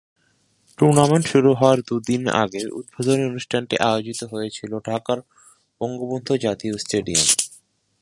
Tournament শুরু হওয়ার দু'দিন আগে উদ্বোধনী অনুষ্ঠানটি আয়োজিত হয়েছিল ঢাকার বঙ্গবন্ধু জাতীয় স্টেডিয়ামে।